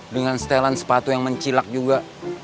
dengan setelan sepatu yang mencilak juga